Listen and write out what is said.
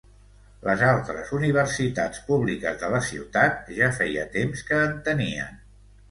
Les altres universitats públiques de la ciutat ja feia temps que en tenien.